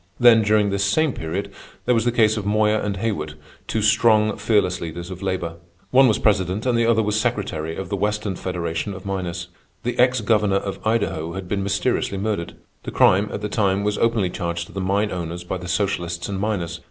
Then, during this same period, there was the case of Moyer and Haywood, two strong, fearless leaders of labor. One was president and the other was secretary of the Western Federation of Miners. The ex governor of Idaho had been mysteriously murdered. The crime, at the time, was openly charged to the mine owners by the socialists and miners.